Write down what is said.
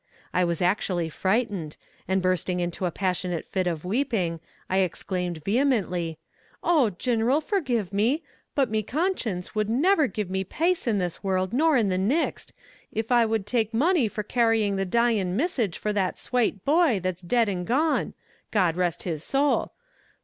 I was actually frightened, and bursting into a passionate fit of weeping, I exclaimed vehemently: "Oh, Gineral, forgive me! but me conshins wud niver give me pace in this world nor in the nixt, if I wud take money for carying the dyin missage for that swate boy that's dead and gone God rest his soul.